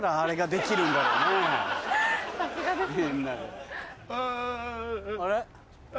さすがですね。